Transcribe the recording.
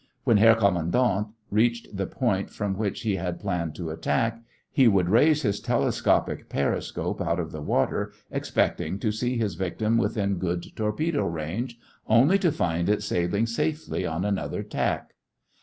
When Herr Kommandant reached the point from which he had planned to attack, he would raise his telescopic periscope out of the water, expecting to see his victim within good torpedo range, only to find it sailing safely on another tack.